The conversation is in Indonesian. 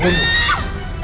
aduh mas gimana sih salam salam